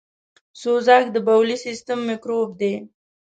سوزک دبولي سیستم میکروب دی .